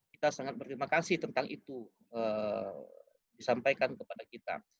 kita sangat berterima kasih tentang itu disampaikan kepada kita